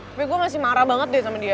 tapi gue masih marah banget deh sama dia